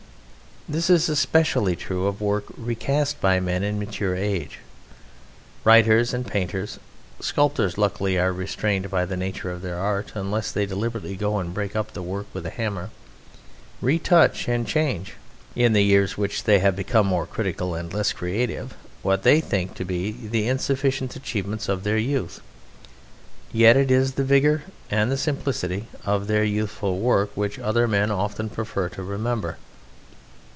This is especially true of work recast by men in mature age. Writers and painters (sculptors luckily are restrained by the nature of their art unless they deliberately go and break up their work with a hammer) retouch and change, in the years when they have become more critical and less creative, what they think to be the insufficient achievements of their youth: yet it is the vigour and the simplicity of their youthful work which other men often prefer to remember.